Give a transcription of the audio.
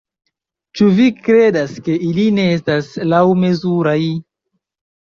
Ĉu vi kredas ke ili ne estas laŭmezuraj?